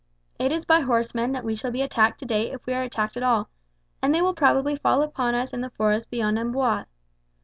It is by horsemen that we shall be attacked today if we are attacked at all, and they will probably fall upon us in the forest beyond Amboise.